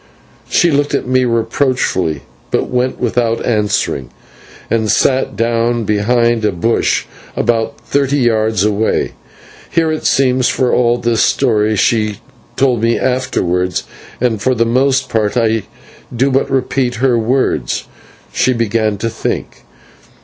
She looked at me reproachfully, but went without answering, and sat down behind a bush about thirty yards away. Here it seems for all this story she told me afterwards, and for the most part I do but repeat her words she began to think.